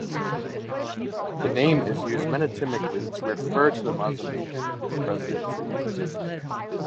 The name is also used metonymically to refer to the Mozambican presidency.